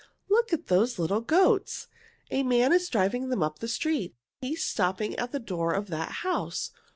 Look at those little goats! A man is driving them up the street. He is stopping at the door of that house.